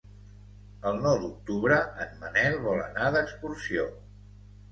El nou d'octubre en Manel vol anar d'excursió.